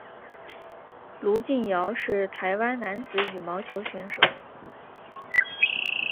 卢敬尧是台湾男子羽毛球选手。